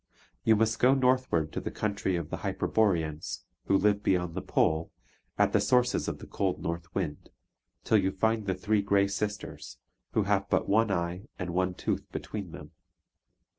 You must go northward to the country of the Hyperboreans, who live beyond the pole, at the sources of the cold north wind, till you find the three Grey Sisters, who have but one eye and one tooth between them.